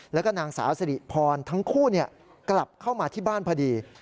แล้วก็นางสาวสิริพรทั้งคู่กลับเข้ามาที่บ้านพอดี